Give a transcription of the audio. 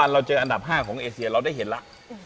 แต่อันดับ๕ของเอเซียเราได้เห็นละ